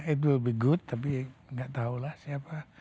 it will be good tapi gak tahulah siapa